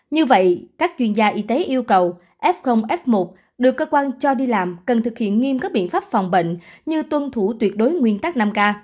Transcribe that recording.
như vậy các chuyên gia y tế yêu cầu f f một được cơ quan cho đi làm cần thực hiện nghiêm các biện pháp phòng bệnh như tuân thủ tuyệt đối nguyên tắc năm k